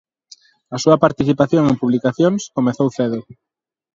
A súa participación en publicacións comezou cedo.